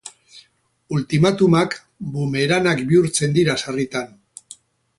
Ultimatumak bumeranak bihurtzen dira sarritan.